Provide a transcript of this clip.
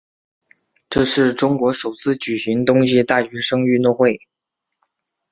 这是中国首次举行冬季大学生运动会。